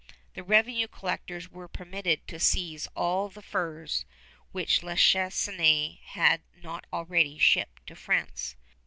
The revenue collectors were permitted to seize all the furs which La Chesnaye had not already shipped to France.